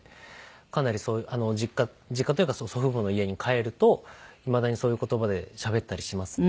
かなり実家実家というか祖父母の家に帰るといまだにそういう言葉でしゃべったりしますね。